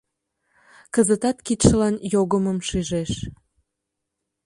Кызытат кидшылан йогымым шижеш.